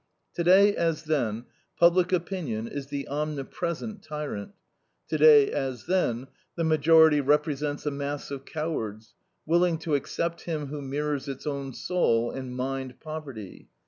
Today, as then, public opinion is the omnipresent tyrant; today, as then, the majority represents a mass of cowards, willing to accept him who mirrors its own soul and mind poverty.